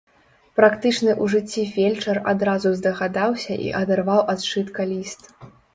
Практычны ў жыцці фельчар адразу здагадаўся і адарваў ад сшытка ліст.